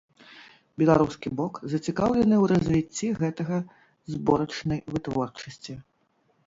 Беларускі бок зацікаўлены ў развіцці гэтага зборачнай вытворчасці.